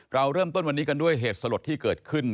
เราเริ่มต้นวันนี้กันด้วยเหตุสลดที่เกิดขึ้น